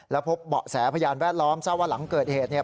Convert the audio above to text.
แล้วพบเบาะแสพยานแวดล้อมทราบว่าหลังเกิดเหตุเนี่ย